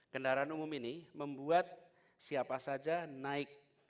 kendaraan umum ini membuat siapa saja naik